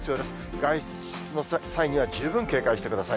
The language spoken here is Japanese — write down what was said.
外出の際には十分警戒してください。